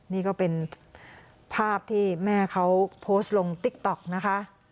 นี่ก็เป็นภาพที่แม่เขาโพสต์ลงติ๊กต๊อกนะคะ